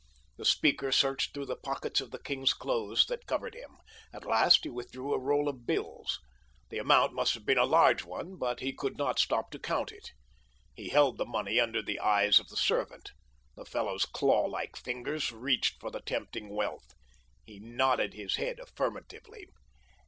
The speaker searched through the pockets of the king's clothes that covered him. At last he withdrew a roll of bills. The amount must have been a large one, but he did not stop to count it. He held the money under the eyes of the servant. The fellow's claw like fingers reached for the tempting wealth. He nodded his head affirmatively.